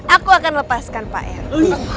aku akan lepaskan pak heru